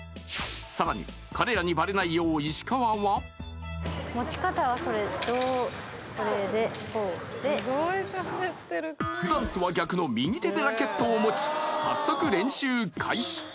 さらに彼らにバレないよう石川は普段とは逆の右手でラケットを持ち早速練習開始